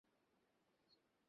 ধন্যবাদ তোমাকে, শোলা!